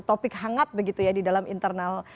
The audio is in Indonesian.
topik hangat begitu ya di dalam internal